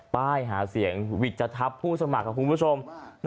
ป้ายหาเสียงอุบัติวิจัดทับผู้สมัครกับคุณผู้ชม